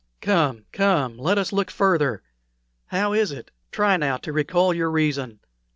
Come, come, let us look further. How is it! Try now to recall your reason.